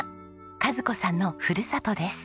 和子さんのふるさとです。